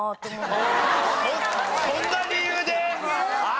そんな理由で！？